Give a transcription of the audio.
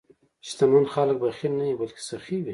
شتمن خلک بخیل نه وي، بلکې سخي وي.